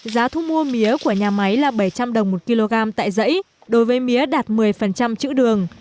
giá thu mua mía của nhà máy là bảy trăm linh đồng một kg tại dãy đối với mía đạt một mươi chữ đường